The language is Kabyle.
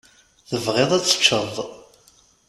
Tebɣiḍ ad teččeḍ.